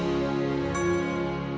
lalu mencari kakak